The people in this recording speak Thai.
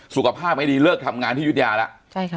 สุขภาพไม่ดีเลิกทำงานที่ยุธยาแล้ว